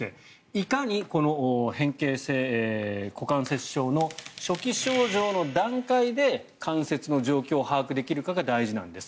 いかに、この変形性股関節症の初期症状の段階で関節の状況を把握できるかが大事なんです